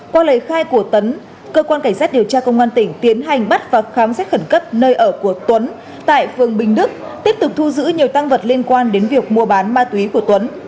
qua lời khai của tấn cơ quan cảnh sát điều tra công an tỉnh tiến hành bắt và khám xét khẩn cấp nơi ở của tuấn tại phường bình đức tiếp tục thu giữ nhiều tăng vật liên quan đến việc mua bán ma túy của tuấn